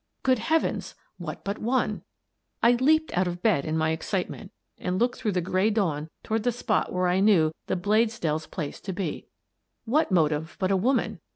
Good Heavens ! What but one ? I leaped out of bed in my excitement and looked through the gray dawn toward the spot where I knew the Bladesdells' place to be. What motive but a woman?